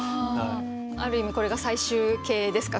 ある意味これが最終形ですか？